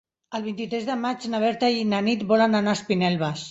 El vint-i-tres de maig na Berta i na Nit volen anar a Espinelves.